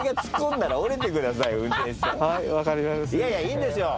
いやいやいいんですよ。